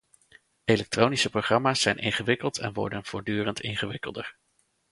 Elektronische programma's zijn ingewikkeld en worden voortdurend ingewikkelder.